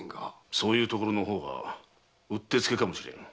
そういう所の方がうってつけかもしれん。